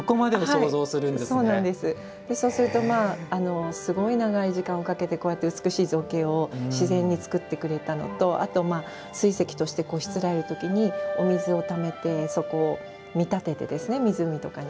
そうするとすごい長い時間をかけてこうした美しい造形を自然に作ってくれたのと水石としてしつらえるときにお水をためて、見立てて湖とかに。